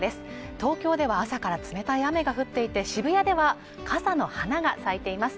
東京では朝から冷たい雨が降っていて渋谷では傘の花が咲いています